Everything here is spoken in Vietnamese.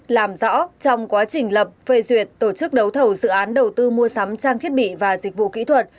làm rõ trong quá trình lập phê duyệt tổ chức đấu thầu dự án đầu tư mua sắm trang thiết bị và dịch vụ kỹ thuật